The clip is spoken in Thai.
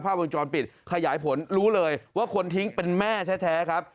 วงจรปิดขยายผลรู้เลยว่าคนทิ้งเป็นแม่แท้ครับ